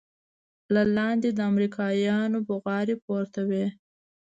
له لاندې د امريکايانو بوغارې پورته وې.